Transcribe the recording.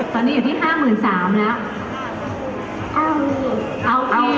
ตอนนี้อยู่ที่๕หมื่น๓แล้ว